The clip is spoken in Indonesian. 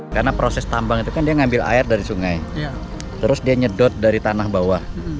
karena proses tambang itu kan dia ngambil air dari sungai terus dia nyedot dari tanah bawah